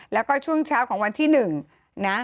แล้วก็ช่วงเช้าของวันที่๑นะ